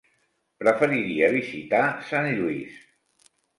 Preferiria visitar Sant Lluís.